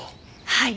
はい。